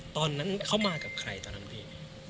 ตอนนั้นเขามากับใครตอนนั้นพี่